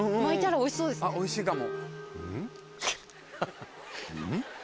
おいしいかも。